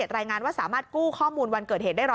รายงานว่าสามารถกู้ข้อมูลวันเกิดเหตุได้๑๐๐